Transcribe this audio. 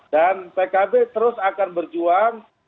dan pkb terus akan berjuang